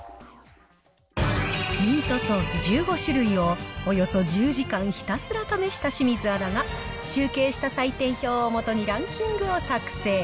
ミートソース１５種類をおよそ１０時間ひたすら試した清水アナが、集計した採点表を基にランキングを作成。